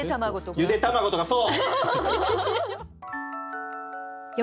ゆで卵とかそう！